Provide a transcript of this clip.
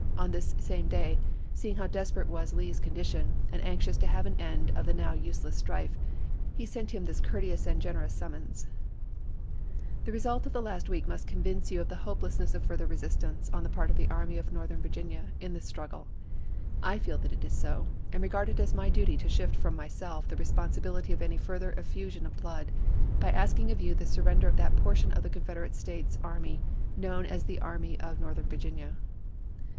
On this same day, seeing how desperate was Lee's con dition, and anxious to have an end of the now use less strife, he sent him this courteous and generous summons : The results of the last week must convince you of the hopelessness of further resistance, on the part of the Army of Northern Virginia, in this struggle. I feel that it is so, and regard it as my duty to shift from myself the respon sibility of any further effusion of blood, by asking of you the surrender of that portion of the Confederate States army known as the Army of Northern Virginia.